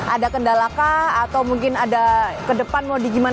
ada kendalakah atau mungkin ada ke depan mau di gimana